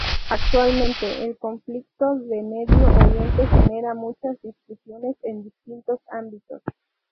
Actualmente, el conflicto de Medio Oriente genera muchas discusiones en distintos ámbitos.